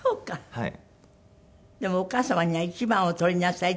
はい。